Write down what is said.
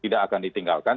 tidak akan ditinggalkan